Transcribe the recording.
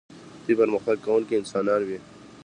دوی پرمختګ کوونکي انسانان وي.